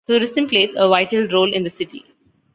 Tourism plays a vital role in the city.